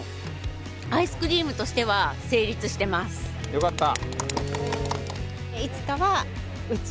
よかった！